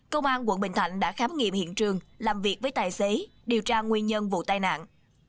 công an quận bình thạnh đã khám nghiệm hiện trường làm việc với tài xế điều tra nguyên nhân vụ tai nạn